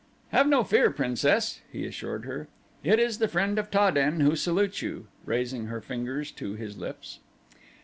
"Have no fear, Princess," he assured her. "It is the friend of Ta den who salutes you," raising her fingers to his lips.